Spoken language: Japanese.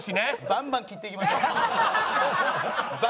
バンバン切っていきましょう！